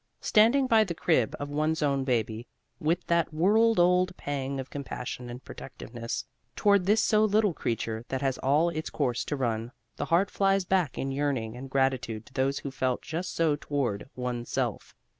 Standing by the crib of one's own baby, with that world old pang of compassion and protectiveness toward this so little creature that has all its course to run, the heart flies back in yearning and gratitude to those who felt just so toward one's self.